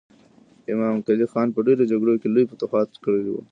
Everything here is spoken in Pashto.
امام قلي خان په ډېرو جګړو کې لوی فتوحات کړي ول.